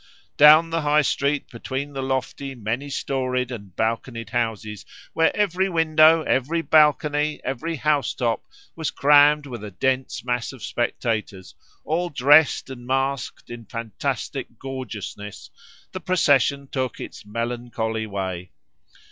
Down the high street, between the lofty, many storeyed and balconied houses, where every window, every balcony, every housetop was crammed with a dense mass of spectators, all dressed and masked in fantastic gorgeousness, the procession took its melancholy way.